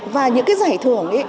và những cái giải thưởng